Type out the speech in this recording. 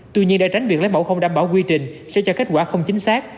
tuy nhiên để tránh việc lấy mẫu không đảm bảo quy trình sẽ cho kết quả không chính xác